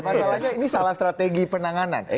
masalahnya ini salah strategi penanganan